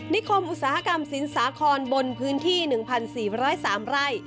คมอุตสาหกรรมสินสาครบนพื้นที่๑๔๐๓ไร่